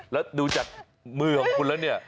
แล้วดูจากมือของคุณแล้วเนี่ย